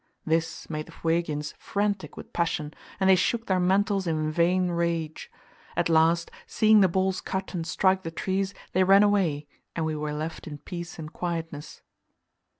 This made the Fuegians frantic with passion, and they shook their mantles in vain rage. At last, seeing the balls cut and strike the trees, they ran away, and we were left in peace and quietness.